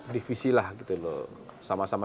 divisi lah gitu loh sama sama